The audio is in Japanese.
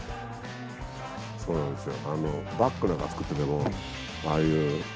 そうなんですよ。